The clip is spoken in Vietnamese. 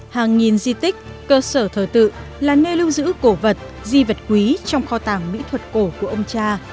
hàng nghìn di tích cơ sở thờ tự là nơi lưu giữ cổ vật di vật quý trong kho tàng mỹ thuật cổ của ông cha